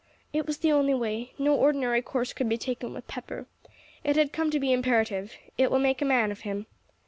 "It was the only way. No ordinary course could be taken with Pepper. It had come to be imperative. It will make a man of him."